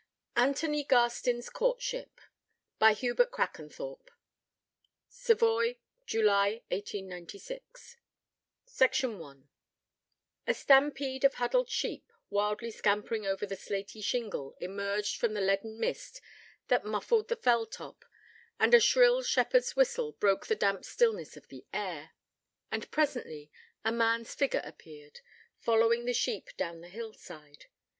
ANTHONY GARSTIN'S COURTSHIP By Hubert Crackanthorpe (Savoy, July 1896) I A stampede of huddled sheep, wildly scampering over the slaty shingle, emerged from the leaden mist that muffled the fell top, and a shrill shepherd's whistle broke the damp stillness of the air. And presently a man's figure appeared, following the sheep down the hillside.